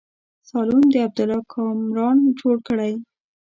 سالون د عبدالله کامران جوړ کړی.